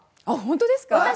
あっほんとですか？